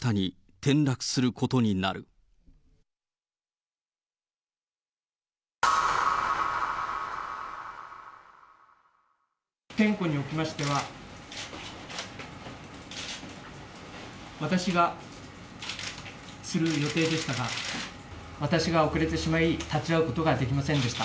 点呼におきましては、私がする予定でしたが、私が遅れてしまい、立ち会うことができませんでした。